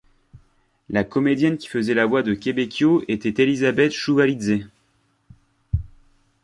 La comédienne qui faisait la voix de Québékio était Élizabeth Chouvalidzé.